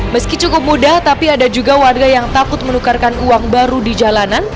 meski cukup mudah tapi ada juga warga yang takut menukarkan uang baru di jalanan